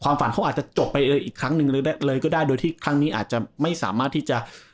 ฝันเขาอาจจะจบไปเลยอีกครั้งหนึ่งหรือได้เลยก็ได้โดยที่ครั้งนี้อาจจะไม่สามารถที่จะ